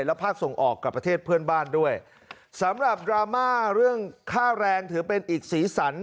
และภาคส่งออกกับประเทศเพื่อนบ้านด้วยสำหรับดราม่าเรื่องค่าแรงถือเป็นอีกสีสัน